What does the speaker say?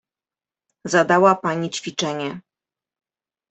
Zadała pani ćwiczenie.